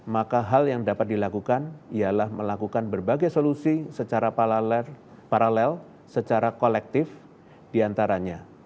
maka hal yang dapat dilakukan ialah melakukan berbagai solusi secara paralel secara kolektif diantaranya